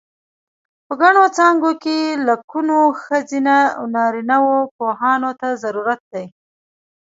په ګڼو څانګو کې لکونو ښځینه و نارینه پوهانو ته ضرورت دی.